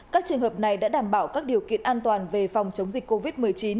các trường hợp này đã đảm bảo các điều kiện an toàn về phòng chống dịch covid một mươi chín